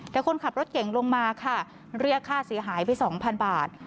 แต่คนขับรถเก่งลงมาค่ะเรียกค่าเสียหายไปสองพันบาท